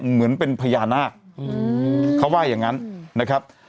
เหมือนเป็นพญานาคเขาว่าอย่างนั้นนะครับ